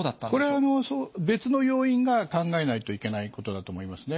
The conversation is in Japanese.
これは別の要因が、考えないといけないことだと思いますね。